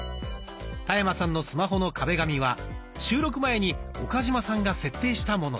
田山さんのスマホの壁紙は収録前に岡嶋さんが設定したものです。